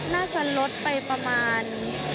น่าจะลดไปประมาณ